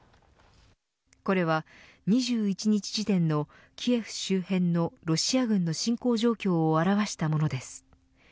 これは２１日時点のキエフ周辺のロシア軍の侵攻状況を表したものです。